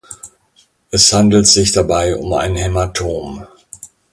Es handelt sich dabei um ein Hämatom.